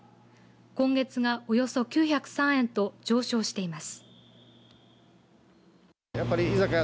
今月がおよそ９０３円と上昇しています。